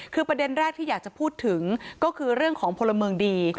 คือประเด็นแรกที่อยากจะพูดถึงก็คือเรื่องของพลเมืองดี